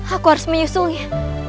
aku harus menyusulnya